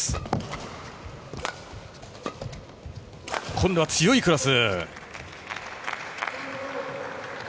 今度は強いクロス。